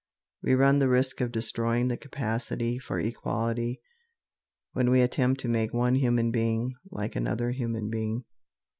We run the risk of destroying the capacity for equality when we attempt to make one human being like another human being.